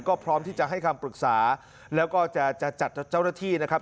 ก็พร้อมที่จะให้คำปรึกษาแล้วก็จะจัดเจ้าหน้าที่นะครับ